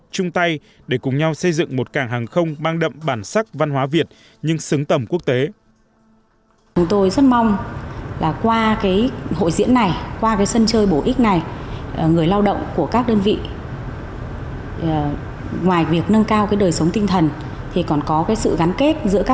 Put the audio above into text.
chung tay để cùng nhau xây dựng một cảng hàng không mang đậm bản sắc văn hóa việt nhưng xứng tầm quốc tế